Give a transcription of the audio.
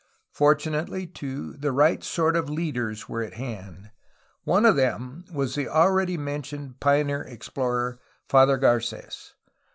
Fortunately, too, the right sort of leaders were at hand. One of them was the already mentioned pioneer explorer. Father Carets.